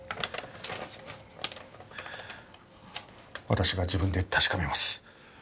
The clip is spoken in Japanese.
私が自分で確かめます。